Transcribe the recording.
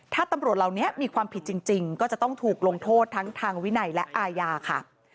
ถ้าตำรวจเหล่านี้มีความผิดจริงก็จะต้องถูกลงโทษทั้งทางวินัยและอาญาค่ะ